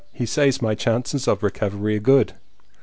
He says my chances of recovery are good.